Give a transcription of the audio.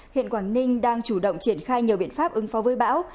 hiện quảng ninh đang chủ động triển khai nhiều biện pháp ứng phó với bão